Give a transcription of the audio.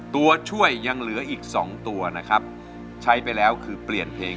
ตัวช่วยยังเหลืออีก๒ตัวนะครับใช้ไปแล้วคือเปลี่ยนเพลง